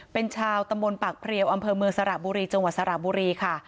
เป็นชาวตำบลปากเพลียวอำเภอเมืองสระบุรีจังหวัดสระบุรีค่ะ